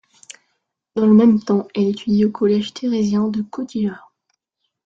Dans le même temps, elle étudie au collège thérésien de Cotija.